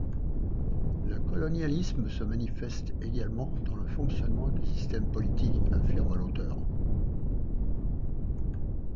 Le colonialisme se manifeste également dans le fonctionnement du système politique, affirme l'auteur.